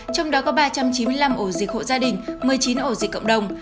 trong đó có ba trăm chín mươi năm ổ dịch hộ gia đình một mươi chín ổ dịch cộng đồng